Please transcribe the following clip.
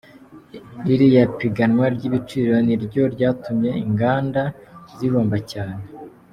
ririya piganwa ry’ibiciro ni ryo ryatumye inganda zihomba cyane.